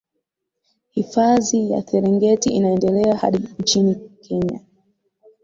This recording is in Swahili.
hifadhi ya serengeti inaendelea hadi nchi kenya